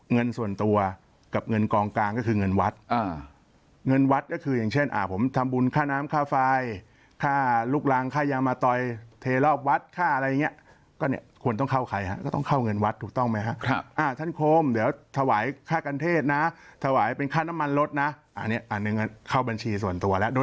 เงินส่วนตัวกับเงินคลองกลางก็คือเงินวัด